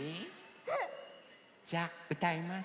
うん！じゃあうたいます。